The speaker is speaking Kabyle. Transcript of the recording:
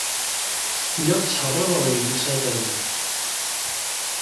Lliɣ ttḥeṛṛiṛeɣ yelli s aderbuz.